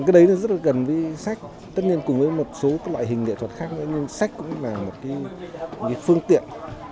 cái đấy rất là gần với sách tất nhiên cùng với một số loại hình nghệ thuật khác nhưng sách cũng là một phương tiện